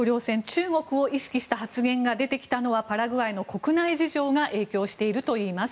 中国を意識した発言が出てきたのはパラグアイの国内事情が影響しているといいます。